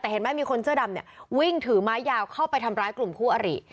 แต่เห็นไหมมีคนเสื้อดำเนี่ยวิ่งถือไม้ยาวเข้าไปทำร้ายกลุ่มคู่อริ